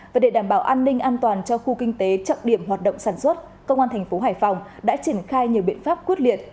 và để đảm bảo an ninh an toàn cho khu kinh tế trọng điểm hoạt động sản xuất công an thành phố hải phòng đã triển khai nhiều biện pháp quyết liệt